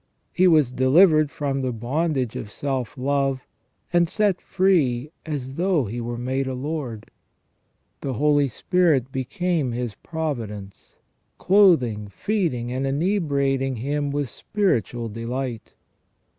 He was delivered from the bondage of self love, and set free as though he were made a lord. The Holy Spirit became his providence, clothing, feeding, and inebriating him with spiritual delight.